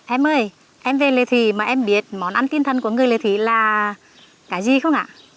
em ơi em về lệ thủy mà em biết món ăn tinh thần của người lệ thủy là cái gì không ạ